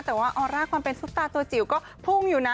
แต่ว่าออร่าความเป็นซุปตาตัวจิ๋วก็พุ่งอยู่นะ